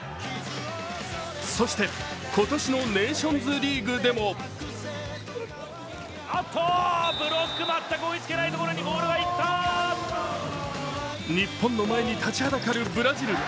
そして今年のネーションズリーグでも日本の前に立ちはだかるブラジル。